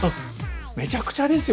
めちゃくちゃですよ